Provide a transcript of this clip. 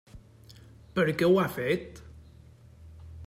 Per què ho ha fet?